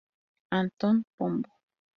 Antón Pombo.